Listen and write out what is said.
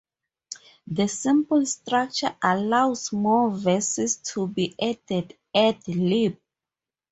The simple structure allows more verses to be added ad lib.